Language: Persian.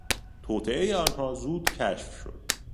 توطئهی آنها زود کشف شد.